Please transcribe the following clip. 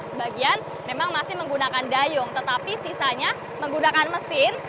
sebagian memang masih menggunakan dayung tetapi sisanya menggunakan mesin